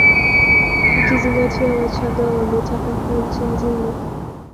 Ukizingatia wachaga wametapakaa nchi nzima